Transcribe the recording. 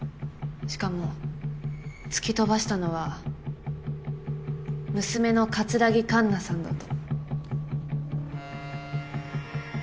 しかも突き飛ばしたのは娘の木かんなさんだと。